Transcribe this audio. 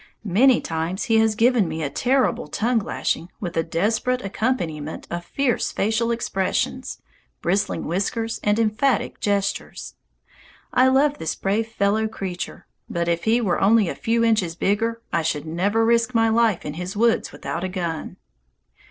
Many times he has given me a terrible tongue lashing with a desperate accompaniment of fierce facial expressions, bristling whiskers, and emphatic gestures. I love this brave fellow creature; but if he were only a few inches bigger, I should never risk my life in his woods without a gun.